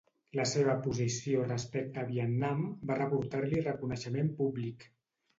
La seva posició respecte a Vietnam va reportar-li reconeixement públic.